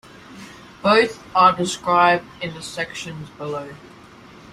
Both are described in the sections below.